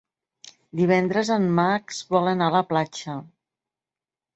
Divendres en Max vol anar a la platja.